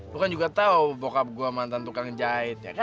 gue kan juga tahu bokap gue mantan tukang jahit ya kan